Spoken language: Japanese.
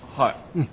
うん。